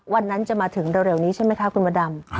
วันนั้นจะมาถึงเร็วนี้ใช่ไหมคะคุณมดดำ